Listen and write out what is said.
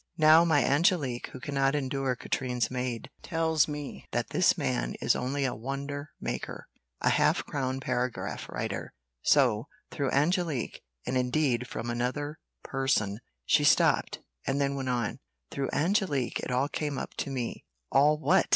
Now, my Angelique, who cannot endure Katrine's maid, tells me that this man is only a wonder maker, a half crown paragraph writer. So, through Angelique, and indeed from another person " she stopped; and then went on "through Angelique it all came up to me." "All what?"